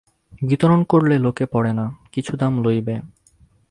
বিতরণ করলে লোকে পড়ে না, কিছু দাম লইবে।